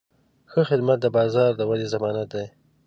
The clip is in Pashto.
ښه خدمت د بازار د ودې ضمانت دی.